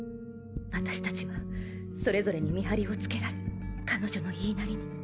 私たちはそれぞれに見張りを付けられ彼女の言いなりに。